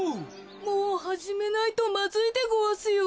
もうはじめないとまずいでごわすよ。